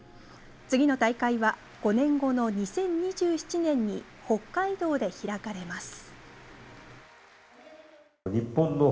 次の大会は５年後の２０２７年に北海道で開かれます